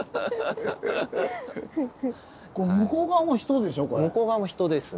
向こう側も人ですね。